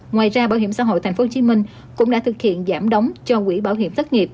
ngoài ra bảo hiểm xã hội tp hcm cũng đã thực hiện giảm đóng cho quỹ bảo hiểm thất nghiệp